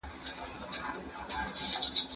ولي محنتي ځوان د مستحق سړي په پرتله بریا خپلوي؟